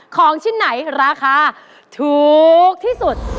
ของชิ้นไหนราคาถูกที่สุด